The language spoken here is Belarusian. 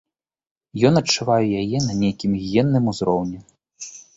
Ён адчувае яе на нейкім генным узроўні.